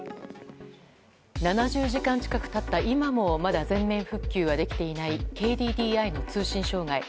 ７０時間近く経った今もまだ全面復旧はできていないＫＤＤＩの通信障害。